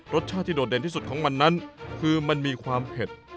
รสชาติที่โดดเด่นที่สุดของมันนั้นคือมันมีความเผ็ด